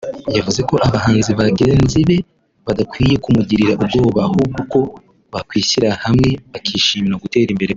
yavuze ko abahanzi bagenzi be badakwiye kumugirira ubwoba ahubwo ko bakwishyira hamwe bakishimira gutera imbere kwe